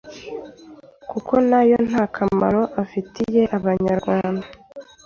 kuko nayo nta kamaro afitiye Abanyarwanda